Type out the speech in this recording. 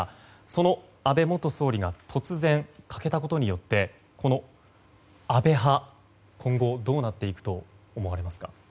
その安倍元総理が突然欠けたことによって安倍派今後どうなっていくと思われますか？